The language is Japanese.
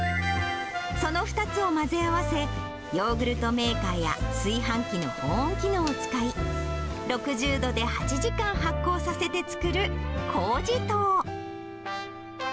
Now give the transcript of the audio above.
その２つを混ぜ合わせ、ヨーグルトメーカーや炊飯器の保温機能を使い、６０度で８時間発酵させて作る、こうじ糖。